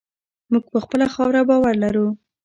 موږ په خپله خاوره باور لرو.